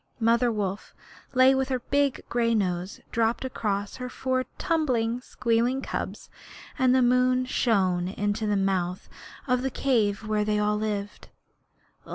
Mother Wolf lay with her big gray nose dropped across her four tumbling, squealing cubs, and the moon shone into the mouth of the cave where they all lived.